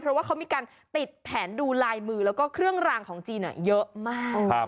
เพราะว่าเขามีการติดแผนดูลายมือแล้วก็เครื่องรางของจีนเยอะมาก